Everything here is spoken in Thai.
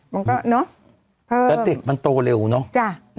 มันก็เพิ่มแล้วเด็กมันโตเร็วเนอะ